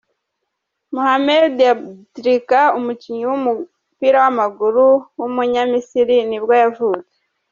Mohamed Aboutrika, umukinnyi w’umupira w’amaguru w’umunyamisiri nibwo yavutse.